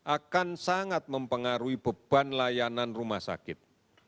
akan sangat mempengaruhi beban layanan rumah sakit